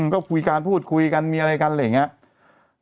ก็คุยกันพูดคุยกันมีอะไรกันอะไรอย่างนี้